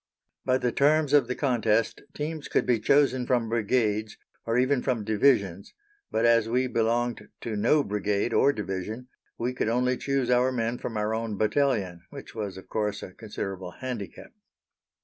By the terms of the contest teams could be chosen from Brigades, or even from Divisions, but, as we belonged to no Brigade or Division, we could only choose our men from our own battalion, which was of course a considerable handicap.